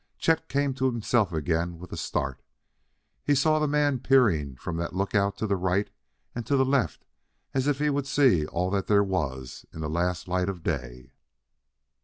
Chet came to himself again with a start: he saw the man peering from the lookout to right and to left as if he would see all that there was in the last light of day.